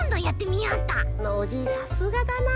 さすがだな。